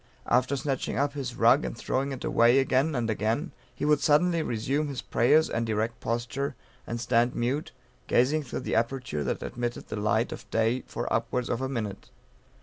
After snatching up his rug and throwing it away again and again, he would suddenly resume his prayers and erect posture, and stand mute, gazing through the aperture that admitted the light of day for upwards of a minute.